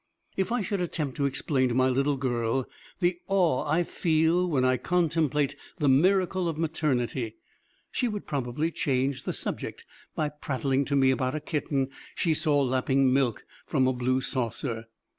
If I should attempt to explain to my little girl the awe I feel when I contemplate the miracle of maternity, she would probably change the subject by prattling to me about a kitten she saw lapping milk from a blue saucer.